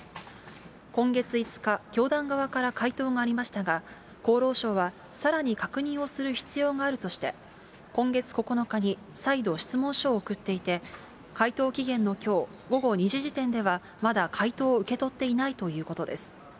今月５日、教団側から回答がありましたが、厚労省はさらに確認をする必要があるとして、今月９日に、再度、質問書を送っていて、回答期限のきょう午後２時時点では、まだ回答を受け取っていないということです。